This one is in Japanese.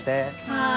はい。